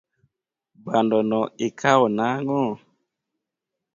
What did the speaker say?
Bando no ikao nang'o?